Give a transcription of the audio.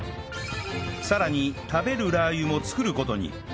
さらに食べるラー油も作る事に